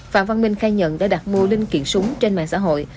phạm văn minh khai nhận đã đặt mua linh kiện súng trên mạng xã hội